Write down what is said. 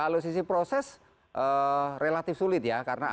kalau sisi proses relatif sulit ya